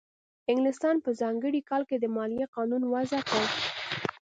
انګلستان په ځانګړي کال کې د مالیې قانون وضع کړ.